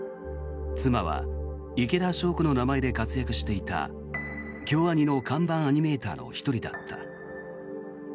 妻は池田晶子の名前で活躍していた京アニの看板アニメーターの１人だった。